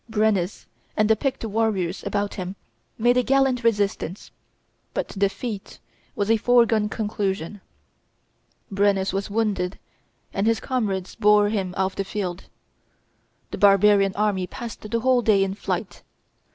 Brennus and the picked warriors about him made a gallant resistance, but defeat was a foregone conclusion. Brennus was wounded, and his comrades bore him off the field. The barbarian army passed the whole day in flight.